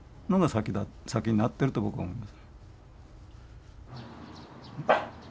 先になってると僕は思います。